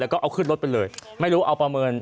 แล้วก็เอาขึ้นรถไปเลยไม่รู้เอาประเมิน